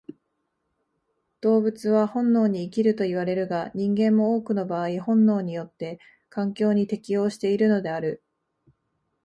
動物は本能に生きるといわれるが、人間も多くの場合本能によって環境に適応しているのである。